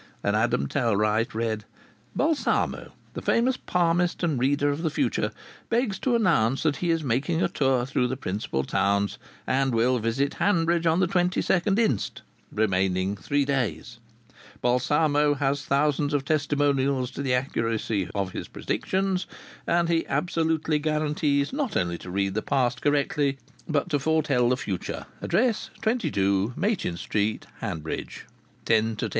And Adam Tellwright read: "'Balsamo, the famous palmist and reader of the future, begs to announce that he is making a tour through the principal towns, and will visit Hanbridge on the 22nd inst., remaining three days. Balsamo has thousands of testimonials to the accuracy of his predictions, and he absolutely guarantees not only to read the past correctly, but to foretell the future. Address: 22 Machin Street, Hanbridge. 10 to 10.